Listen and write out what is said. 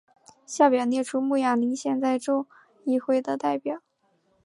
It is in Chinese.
下表列出慕亚林县在州议会的代表。